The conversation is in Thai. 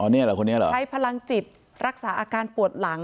นี่เหรอคนนี้เหรอใช้พลังจิตรักษาอาการปวดหลัง